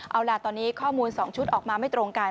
เอาล่ะตอนนี้ข้อมูล๒ชุดออกมาไม่ตรงกัน